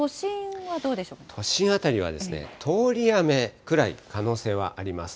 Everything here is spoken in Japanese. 都心辺りは、通り雨くらい可能性あります。